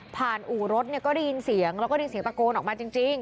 อู่รถเนี่ยก็ได้ยินเสียงแล้วก็ได้ยินเสียงตะโกนออกมาจริง